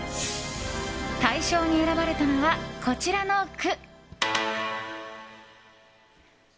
対象に選ばれたのは、こちらの句。